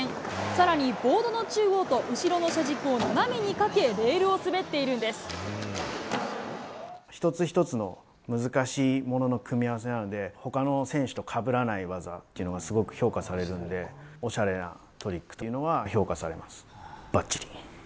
さらにボードの中央と後ろの車軸を斜めにかけ、レールを滑ってい一つ一つの難しいものの組み合わせなんで、ほかの選手とかぶらない技というのがすごく評価されるんで、おしゃれなトリックというのは評価されます。